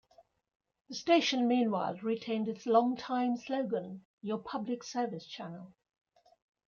The station meanwhile retained its long-time slogan, "Your Public Service Channel".